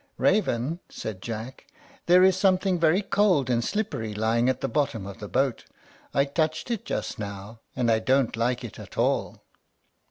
"Raven," said Jack, "there's something very cold and slippery lying at the bottom of the boat. I touched it just now, and I don't like it at all."